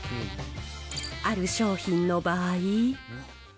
ある商品の場合。